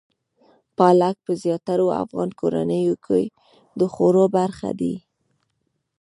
پالک په زیاترو افغان کورنیو کې د خوړو برخه وي.